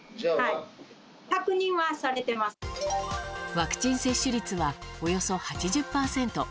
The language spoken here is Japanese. ワクチン接種率はおよそ８０％。